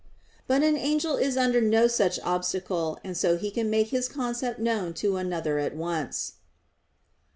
But an angel is under no such obstacle, and so he can make his concept known to another at once.